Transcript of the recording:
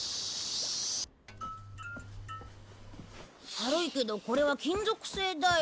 軽いけどこれは金属製だよ。